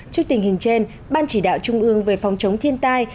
trước tình hình trên ban chỉ đạo trung ương về phòng chống thiên tai